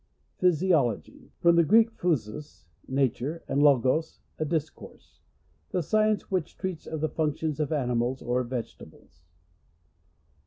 Physiology. — From the Greek, vhu si', nature, and logos, a discourse. The science which treats of the functions of animals or vegetables.